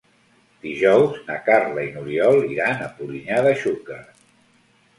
Dijous na Carla i n'Oriol iran a Polinyà de Xúquer.